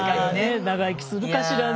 長生きするかしらね。